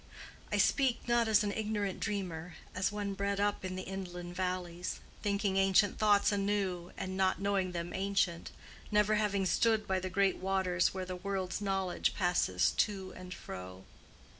I speak not as an ignorant dreamer—as one bred up in the inland valleys, thinking ancient thoughts anew, and not knowing them ancient, never having stood by the great waters where the world's knowledge passes to and fro.